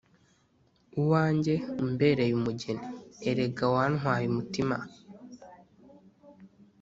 Uwanjye umbereye umugeni, erega wantwaye umutima,